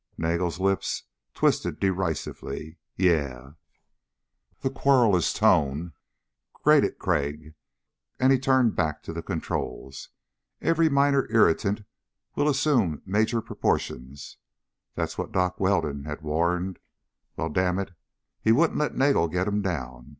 Nagel's lips twisted derisively. "Yeah?" The querulous tone grated Crag and he turned back to the controls. Every minor irritant will assume major proportions. That's what Doc Weldon had warned. Well, damnit, he wouldn't let Nagel get him down.